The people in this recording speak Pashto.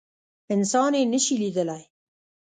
انسان يي نشي لیدلی